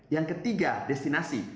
yang ketiga destinasi